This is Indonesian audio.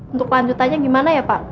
untuk lanjutannya gimana ya pak